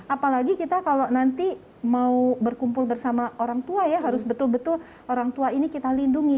apalagi kita kalau nanti mau berkumpul bersama orang tua ya harus betul betul orang tua ini kita lindungi